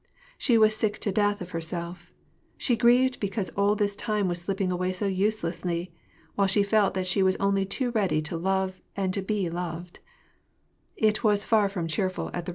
She was sick to death of herself: she grieved because all this time was slipping away so uselessly ; while she felt that she was only too reisuly to love and to be loved.